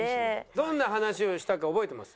どんな話をしたか覚えてます？